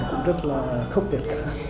cũng rất là khốc tiệt cả